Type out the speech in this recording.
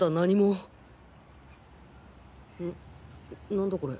何だこれ？